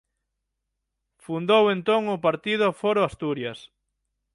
Fundou entón o partido Foro Asturias.